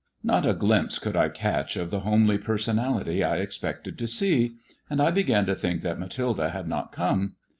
Not a glimpse could I catch of the homely personality I > expected to see, and I began to think that Mathilde had not come.